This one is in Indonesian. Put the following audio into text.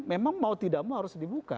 memang mau tidak mau harus dibuka